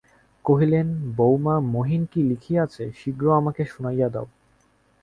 কহিলেন, বউমা, মহিন কী লিখিয়াছে শীঘ্র আমাকে শুনাইয়া দাও।